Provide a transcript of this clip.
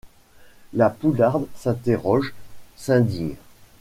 La Poularde s'interroge, s'indigne.